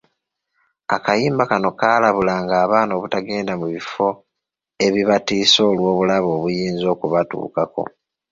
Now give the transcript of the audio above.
Akayimba kano kaalabulanga abaana obutagenda mu bifo ebibatiisa olw’obulabe obuyinza okubatuukako.